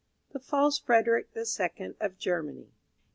THE FALSE FREDERICK THE SECOND OF GERMANY.